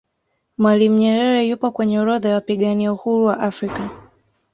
mwalimu nyerere yupo kwenye orodha ya wapigania uhuru wa afrika